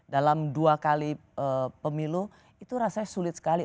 dalam dua kali pemilu itu rasanya sulit sekali